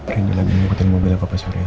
rendy lagi mengikuti mobil pak surya